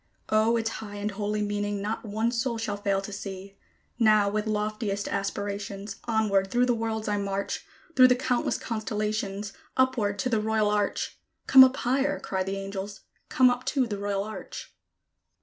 O, its high and holy meaning not one soul shall fail to see! Now, with loftiest aspirations, onward through the worlds I march, Through the countless constellations, upward to the Royal Arch. "Come up higher!" cry the angels: "come up to the Royal Arch."